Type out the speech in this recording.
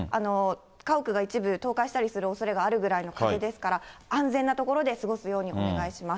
家屋が一部倒壊したりするおそれがあるぐらいの風ですから、安全な所で過ごすようにお願いします。